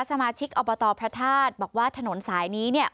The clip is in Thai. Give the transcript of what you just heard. สมาชิกอบตพระธาตุบอกว่าถนนสายนี้เนี่ย